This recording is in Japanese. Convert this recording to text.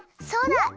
そうだ！